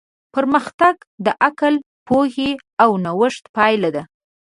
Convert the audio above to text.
پرمختګ د عقل، پوهې او نوښت پایله ده.